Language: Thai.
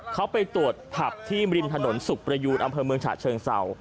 เขาไปตรวจผับที่ริมถนนสุขประยูนอำเภอเมืองฉะเชิงเศร้า